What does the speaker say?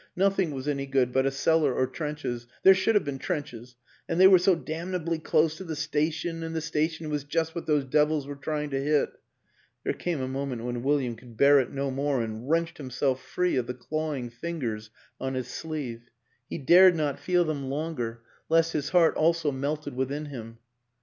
Nothing was any good but a cellar or trenches there should have been trenches. And they were so damnably close to the station, and the station was just what those devils were trying to hit. There came a moment when William could bear it no more, and wrenched himself free of the clawing fingers on his sleeve; he dared not feel them longer, lest his heart also melted within him.